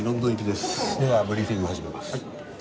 ではブリーフィングを始めます。